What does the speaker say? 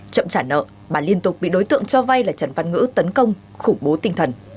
chậm trả nợ bà liên tục bị đối tượng cho vay là trần văn ngữ tấn công khủng bố tinh thần